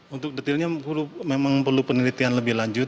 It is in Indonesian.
untuk detailnya memang perlu penelitian lebih lanjut